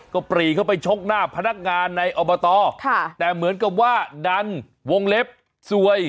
ก็ปรีเข้าไปชกหน้าพนักงานในอบตแต่เหมือนกับว่าดันวงเล็บสวย